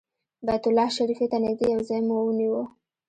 بیت الله شریفې ته نږدې یو ځای مو ونیو.